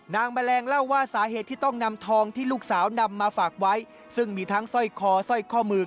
แมลงเล่าว่าสาเหตุที่ต้องนำทองที่ลูกสาวนำมาฝากไว้ซึ่งมีทั้งสร้อยคอสร้อยข้อมือ